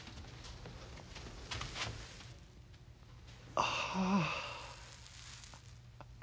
ああ。